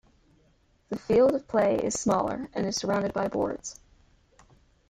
The field of play is smaller, and is surrounded by boards.